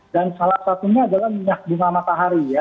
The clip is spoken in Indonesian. dan salah satunya adalah minyak bunga matahari